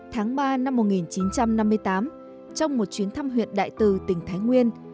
tháng ba năm một nghìn chín trăm năm mươi tám trong một chuyến thăm huyện đại từ tỉnh thái nguyên